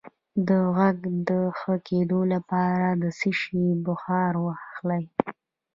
د غږ د ښه کیدو لپاره د څه شي بخار واخلئ؟